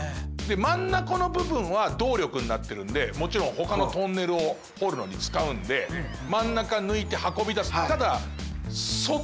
真ん中の部分は動力になってるんでもちろんほかのトンネルを掘るのに使うんであはいはい。